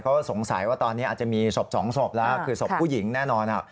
เขาสงสัยว่าตอนนี้อาจจะมีศพสองศพแล้วคือศพผู้หญิงแน่นอน